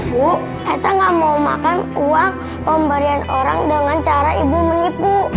bu saya nggak mau makan uang pemberian orang dengan cara ibu mengipu